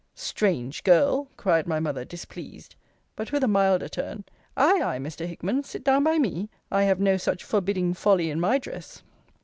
Strange girl! cried my mother, displeased; but with a milder turn, ay, ay, Mr. Hickman, sit down by me: I have no such forbidding folly in my dress.